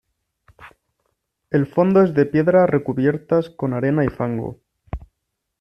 El fondo es de piedra recubiertas con arena y fango.